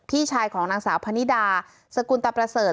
พี่ชายของนางสาวพนิดาสกุลตะประเสริฐ